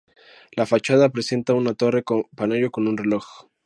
La fachada presenta una torre campanario con un reloj.